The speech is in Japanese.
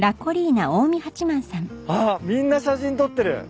あっみんな写真撮ってる。